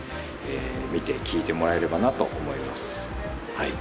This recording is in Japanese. はい。